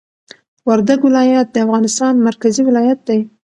وردګ ولایت د افغانستان مرکزي ولایت دي